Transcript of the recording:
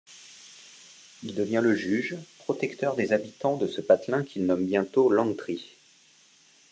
Il devient le juge, protecteur des habitants de ce patelin qu'il nomme bientôt Langtry.